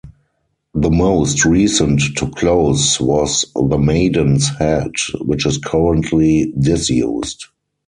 The most recent to close was The Maiden's Head which is currently disused.